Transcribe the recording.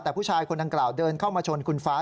แต่ผู้ชายคนดังกล่าวเดินเข้ามาชนคุณฟ้า